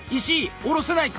下ろせないのか？